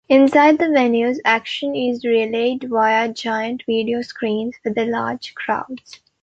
Inside the venues, action is relayed via giant video screens for the large crowds.